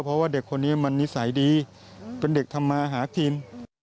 เพราะว่าเด็กคนนี้มันนิสัยดีเป็นเด็กทำมาหากิน